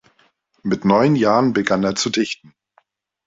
Mit neun Jahren begann er zu dichten.